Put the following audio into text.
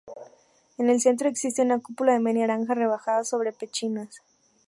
En el centro existe una cúpula de media naranja rebajada sobre pechinas.